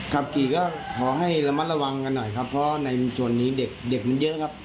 ขับขี่ก็ขอให้ระมัดระวังกันหน่อยครับเพราะในส่วนนี้เด็กมันเยอะครับ